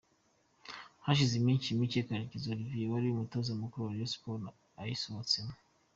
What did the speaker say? Hashize iminsi mike Karekezi Olivier wari umutoza mukuru wa Rayon Sports ayisohotsemo.